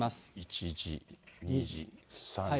１時、２時、３時。